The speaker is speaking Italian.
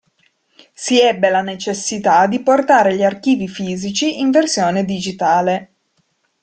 Si ebbe la necessità di portare gli archivi fisici in versione digitale.